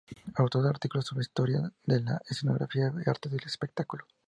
Autor de artículos sobre historia de la escenografía y artes del espectáculo.